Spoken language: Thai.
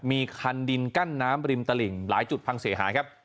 มีคันดินกั้นน้ำริมตลิ่งหลายจุดพังเสียหายครับ